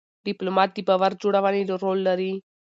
ډيپلومات د باور جوړونې رول لري.